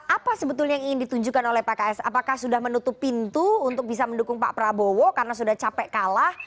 apa sebetulnya yang ingin ditunjukkan oleh pks apakah sudah menutup pintu untuk bisa mendukung pak prabowo karena sudah capek kalah